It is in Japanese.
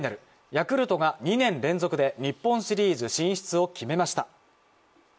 ヤクルトが２年連続で日本シリーズ進出を決めました。